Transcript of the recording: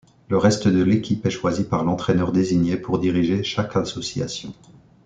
Le reste de l'équipe est choisi par l'entraîneur désigné pour diriger chaque association.